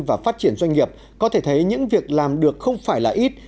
và phát triển doanh nghiệp có thể thấy những việc làm được không phải là ít